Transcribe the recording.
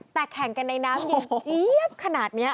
แต่แข่งกันในน้ำเย็นเจี๊ยบขนาดนี้